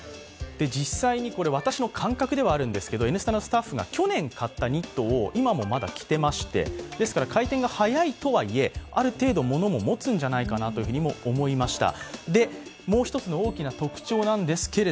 実際に私の感覚ではあるんですが「Ｎスタ」のスタッフが去年買ったニットを今もまだ着てまして、ですから、回転が早いとはいえある程度、物ももつんじゃないかなとも思いました。